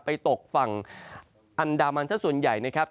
ตกฝั่งอันดามันสักส่วนใหญ่นะครับ